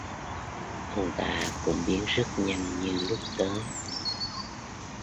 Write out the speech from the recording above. Ông ta cũng biến rất nhanh như lúc tới